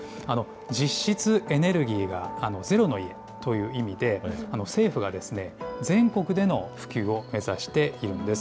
実質エネルギーがゼロの家という意味で、政府が全国での普及を目指しているんです。